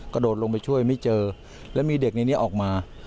กระโดดลงไปช่วยไม่เจอแล้วมีเด็กในนี้ออกมา